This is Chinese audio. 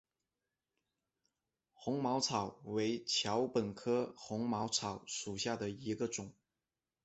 红毛草为禾本科红毛草属下的一个种。